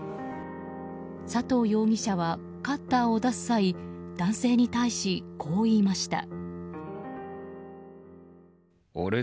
佐藤容疑者はカッターを出す際男性に対し、こう言いました。